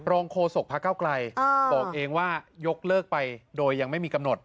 โคศกพระเก้าไกลบอกเองว่ายกเลิกไปโดยยังไม่มีกำหนด